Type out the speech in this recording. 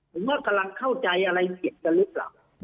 คุณว่ากำลังเข้าใจอะไรเซียนกันแล้ว